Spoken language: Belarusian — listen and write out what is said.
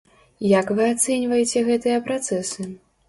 Як вы ацэньваеце гэтыя працэсы?